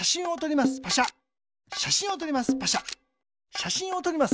しゃしんをとります。